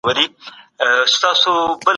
هر انسان کولای سي له مذهب پرته ژوند وکړي.